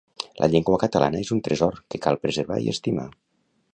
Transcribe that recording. La llengua catalana és un tresor que cal preservar i estimar.